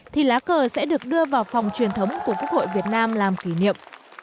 thì lá cờ sẽ được đưa vào phòng truyền thống của quốc hội việt nam làm kỷ niệm